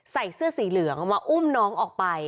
ใส่เสื้อสีเหลืองมาอุ้มน้องออกไป